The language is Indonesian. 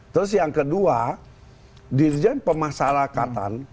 terus yang kedua dirjen pemasarakatan